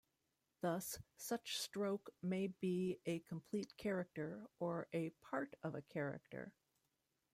Thus, such stroke may be a complete character or a part of a character.